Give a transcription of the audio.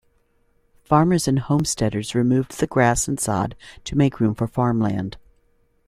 Farmers and homesteaders removed the grass and sod to make room for farmland.